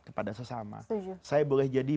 kepada sesama saya boleh jadi